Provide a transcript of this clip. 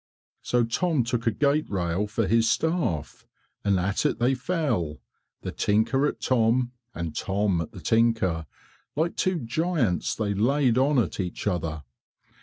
So Tom took a gate rail for his staff, and at it they fell, the tinker at Tom, and Tom at the tinker, like two giants they laid on at each other.